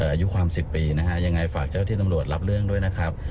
อายุความ๑๐ปีนะฮะยังไงฝากเจ้าที่ตำรวจรับเรื่องด้วยนะครับ